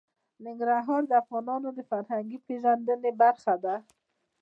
ننګرهار د افغانانو د فرهنګي پیژندنې برخه ده.